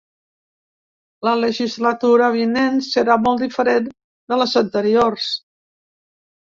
La legislatura vinent serà molt diferent de les anteriors.